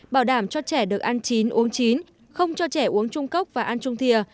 bảo đảm cho trẻ được ăn chín uống chín không cho trẻ uống trung cốc và ăn trung thia